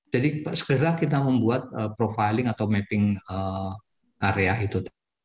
jadi segera kita membuat profiling atau mapping area itu